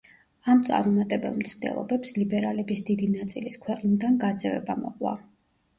ამ წარუმატებელ მცდელობებს ლიბერალების დიდი ნაწილის ქვეყნიდან გაძევება მოყვა.